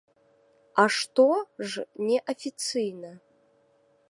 А што ж не афіцыйна?